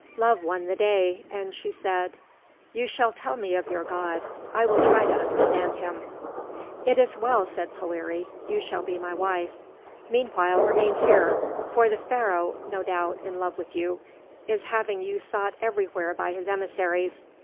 Love won the day, and she said: "You shall tell me of your God; I will try to understand him." "It is well," said Poëri; "you shall be my wife. Meanwhile remain here, for the Pharaoh, no doubt in love with you, is having you sought everywhere by his emissaries.